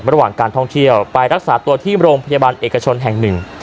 ระหว่างการท่องเที่ยวไปรักษาตัวที่โรงพยาบาลเอกชนแห่งหนึ่ง